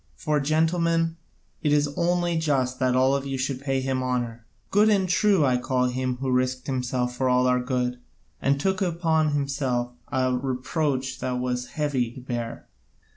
For, gentlemen, it is only just that all of you should pay him honour. Good and true I call him who risked himself for our good, and took upon himself a reproach that was heavy to bear."